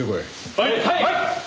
はい！